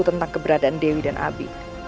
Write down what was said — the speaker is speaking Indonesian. tentang keberadaan dewi dan abi